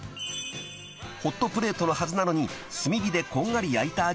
［ホットプレートのはずなのに炭火でこんがり焼いた味！？］